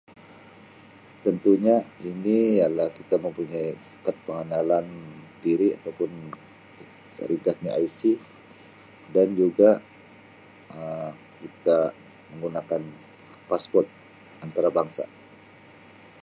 Tentunya ini ialah kita mempunyai kad pengenalan diri atau pun secara ringkasnya IC dan juga Um kita menggunakan Passport antarabangsa.